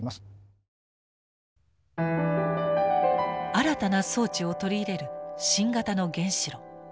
新たな装置を取り入れる新型の原子炉。